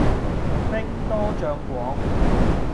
兵多將廣